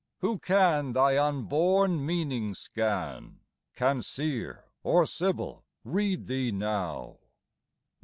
Who can thy unborn meaning scan? Can Seer or Sibyl read thee now?